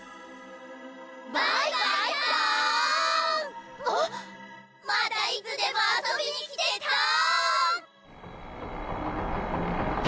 ・バイバイトーン・またいつでも遊びに来てトーン！